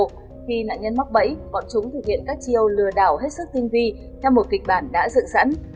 khi nạn nhân mắc bẫy bọn chúng thực hiện các chiêu lừa đảo hết sức tinh vi theo một kịch bản đã dựng sẵn